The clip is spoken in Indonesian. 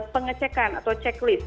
pengecekan atau checklist